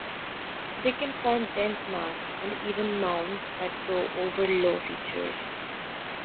They can form dense mats and even mounds that grow over low features.